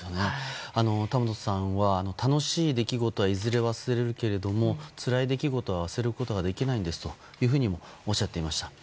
田本さんは楽しい出来事はいずれ忘れるけれどもつらい出来事は忘れることができないですとおっしゃっていました。